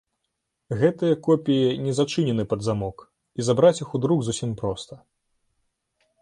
Гэтыя копіі не зачынены пад замок, і забраць іх у друк зусім проста.